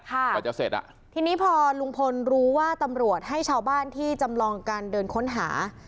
กว่าจะเสร็จอ่ะทีนี้พอลุงพลรู้ว่าตำรวจให้ชาวบ้านที่จำลองการเดินค้นหา